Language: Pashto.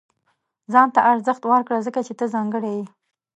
• ځان ته ارزښت ورکړه، ځکه چې ته ځانګړی یې.